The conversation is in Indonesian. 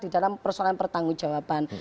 di dalam persoalan pertanggung jawaban